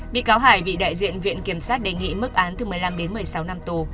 bị cáo hải bị đại diện viện kiểm sát đề nghị mức án từ một mươi năm đến một mươi sáu năm tù